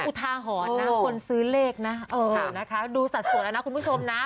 อุทาหอดคนซื้อเลขนะเอ่อดูสัตว์แล้วนะคุณผู้ชมน่ะ